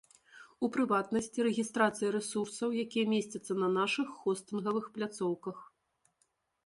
У прыватнасці, рэгістрацыя рэсурсаў, якія месцяцца на нашых хостынгавых пляцоўках.